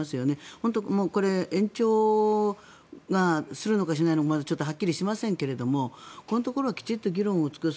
本当にこれ延長をするのかしないのかはっきりしませんがここのところはきちんと議論を尽くす。